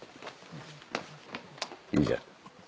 いいじゃん。